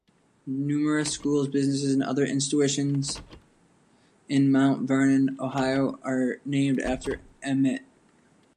Numerous schools, businesses, and other institutions in Mount Vernon, Ohio, are named after Emmett.